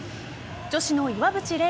女子の岩渕麗